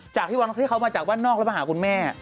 จากที่เขามาจากว่านอกแล้วมาหาคุณแม่